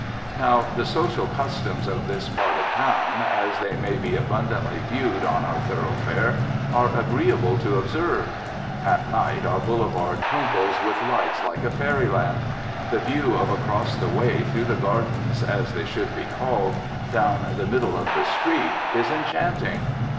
Now, the social customs of this part of town, as they may be abundantly viewed on our thoroughfare, are agreeable to observe. At night our boulevard twinkles with lights like a fairyland. The view of across the way through the gardens, as they should be called, down the middle of the street, is enchanting.